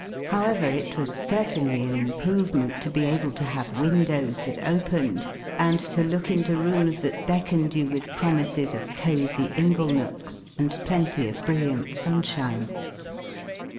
However, it was certainly an improvement to be able to have windows that opened, and to look into rooms that beckoned you with promises of cozy inglenooks, and plenty of brilliant sunshine.